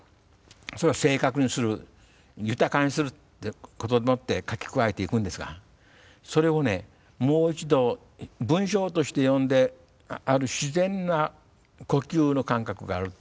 それを正確にする豊かにするってことでもって書き加えていくんですがそれをねもう一度文章として読んである自然な呼吸の感覚があると。